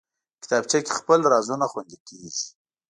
کتابچه کې خپل رازونه خوندي کېږي